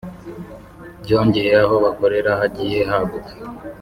byongeye aho bakorera hagiye haguka